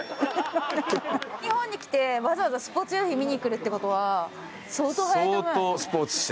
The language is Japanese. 日本に来てわざわざスポーツ用品見にくるって事は相当速いと思う。